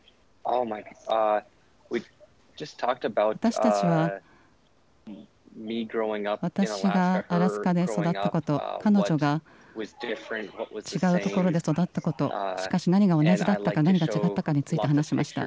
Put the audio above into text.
私たちは、私がアラスカで育ったこと、彼女が違う所で育ったこと、しかし、何が同じだったか、何が違ったかについて話しました。